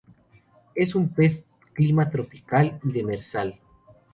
Es un pez clima tropical y demersal.